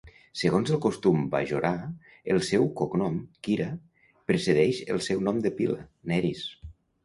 Segons el costum bajorà, el seu cognom, Kira, precedeix el seu nom de pila, Nerys.